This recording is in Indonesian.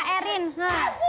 heeh emang enak gua thr in